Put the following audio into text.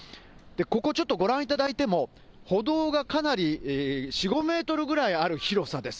ここ、ちょっとご覧いただいても、歩道がかなり４、５メートルぐらいある広さです。